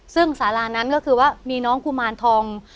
ซึ่งสารานั้นก็คือว่ามีน้องกุมารทอง